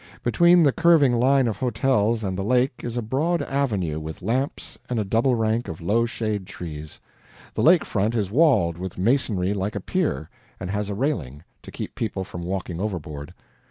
Between the curving line of hotels and the lake is a broad avenue with lamps and a double rank of low shade trees. The lake front is walled with masonry like a pier, and has a railing, to keep people from walking overboard.